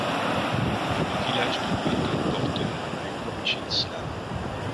Le village de Wildenbörten a une origine slave.